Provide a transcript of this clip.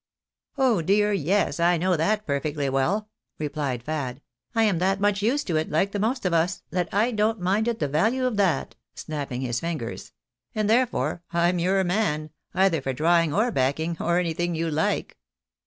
" Oh dear, yes, I know that perfectly well," replied Fad ;" I am that much used to it, like the most of us, that I don't mind it the value of that," snapping his fingers, " and, therefore, I'm your man, either for drawing or backing, or anything you like."